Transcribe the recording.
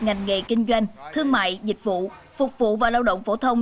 ngành nghề kinh doanh thương mại dịch vụ phục vụ và lao động phổ thông